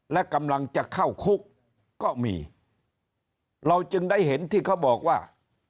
และกำลังจะเข้าคุกก็มีเราจึงได้เห็นที่เขาบอกว่า